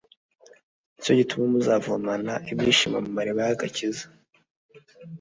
Nicyo gituma muzavomana ibyishimo mu mariba y'agakiza."